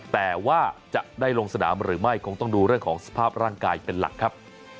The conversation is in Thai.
แต่ว่าจะได้ลงสนามหรือไม่ต้องดูสภาพร่างกายเป็นหลักครับ